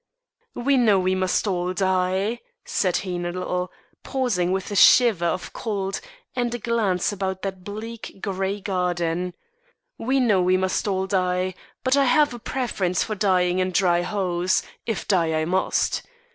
"We know we must all die," said he in a little, pausing with a shiver of cold, and a glance about that bleak grey garden "We know we must all die, but I have a preference for dying in dry hose, if die I must.